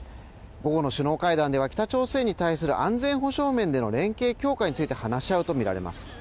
午後の首脳会談では北朝鮮に対する安全保障面での連携強化について話し合うとみられます。